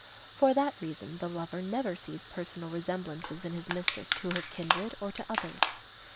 For that reason the lover never sees personal resemblances in his mistress to her kindred or to others.